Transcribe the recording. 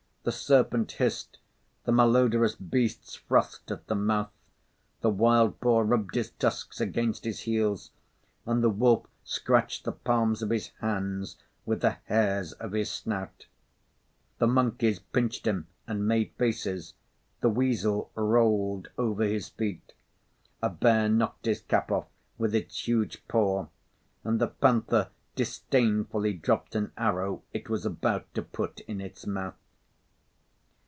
The serpent hissed, the malodorous beasts frothed at the mouth, the wild boar rubbed his tusks against his heels, and the wolf scratched the palms of his hands with the hairs of his snout. The monkeys pinched him and made faces, the weasel rolled over his feet. A bear knocked his cap off with its huge paw, and the panther disdainfully dropped an arrow it was about to put in its mouth.